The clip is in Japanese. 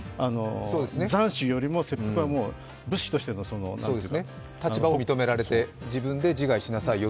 斬首よりも切腹は武士としての。立場を認められて自分で自害しなさいよと。